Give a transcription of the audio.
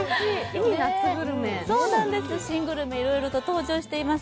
新グルメ、いろいろ登場しています。